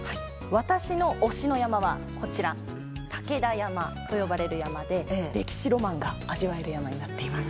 私の推しの山はこちら武田山と呼ばれる山で歴史ロマンが味わえる山になっています。